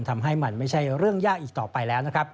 ทำให้มันไม่ใช่เรื่องยากอีกต่อไปแล้วนะครับ